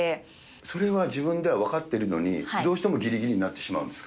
それは自分では分かっているのに、どうしてもぎりぎりになってしまうんですか。